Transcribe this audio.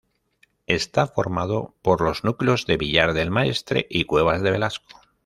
Está formado por los núcleos de Villar del Maestre y Cuevas de Velasco.